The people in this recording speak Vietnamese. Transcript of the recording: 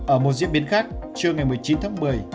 ở một diễn biến khác trưa ngày một mươi chín tháng một mươi